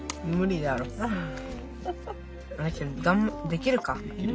できるよ。